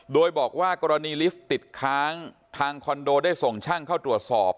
โดยบอกว่ากรณีลิฟต์ติดค้างทางคอนโดได้ส่งช่างเข้าตรวจสอบ